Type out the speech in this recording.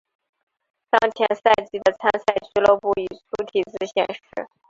当前赛季的参赛俱乐部以粗体字显示。